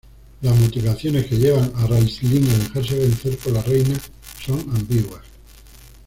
Las motivaciones que llevan a Raistlin a dejarse vencer por La Reina son ambiguas.